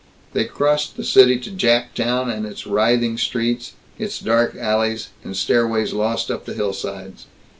They crossed the city to Jap Town and its writhing streets, its dark alleys and stairways lost up the hillsides.